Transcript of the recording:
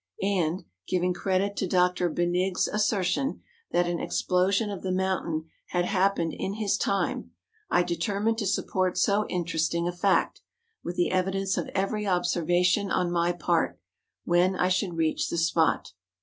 215 and, giving credit to Dr. Benigg's assertion, that an explosion of the mountain had happened in his time, I determined to support so interesting a fact, with tlie evidence of every observation on my part, when I should reach the spot.